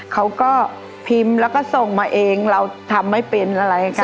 เขาก็พิมพ์แล้วก็ส่งมาเองเราทำไม่เป็นอะไรค่ะ